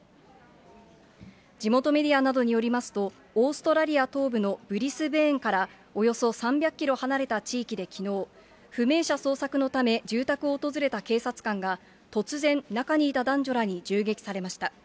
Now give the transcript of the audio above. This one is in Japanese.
地元メディアなどによりますと、オーストラリア東部のブリスベーンからおよそ３００キロ離れた地域できのう、不明者捜索のため、住宅を訪れた警察官が、突然、中にいた男女らに銃撃されました。